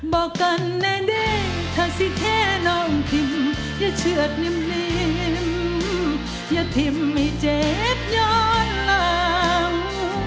บอกกันในดินถ้าสิแท้น้องทิ้งอย่าเชือกนิ่มอย่าทิ้งให้เจ็บย้อนหลัง